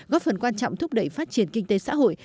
góp phần quan trọng thúc đẩy phát triển kinh tế xã hội